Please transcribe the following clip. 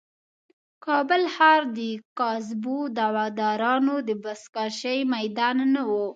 کابل ښار د کاذبو دعوه دارانو د بزکشې میدان نه و.